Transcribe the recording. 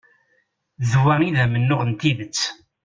D wa i d amennuɣ n tidet.